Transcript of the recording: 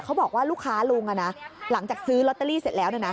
เขาบอกว่าลูกค้าลุงหลังจากซื้อลอตเตอรี่เสร็จแล้วนะ